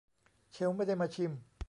เชลล์ไม่ได้มาชิม